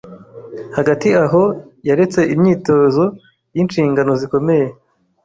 Hagati aho yaretse imyitozo yinshingano zikomeye